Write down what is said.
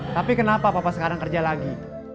tapi kenapa papa sekarang kerja lagi